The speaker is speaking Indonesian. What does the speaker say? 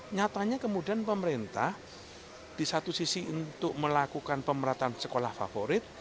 nyatanya kemudian pemerintah di satu sisi untuk melakukan pemerataan sekolah favorit